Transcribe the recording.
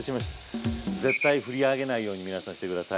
絶対振り上げないように皆さんしてください。